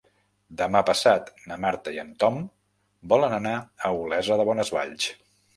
Demà passat na Marta i en Tom volen anar a Olesa de Bonesvalls.